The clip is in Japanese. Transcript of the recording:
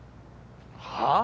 はあ？